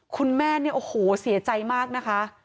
คุณแม่เนี่ยโอ้โหเสียใจมากนะคะ